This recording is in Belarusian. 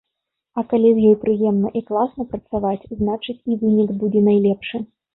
А калі з ёй прыемна і класна працаваць, значыць, і вынік будзе найлепшы.